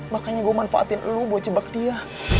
makanya gue manfaatin lo buat jebak dia